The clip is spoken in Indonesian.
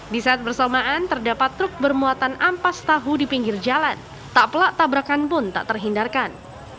di saat bersamaan terdapat truk bermuatan ampas tahu di pinggir jalan tak pelak tabrakan pun tak terhindarkan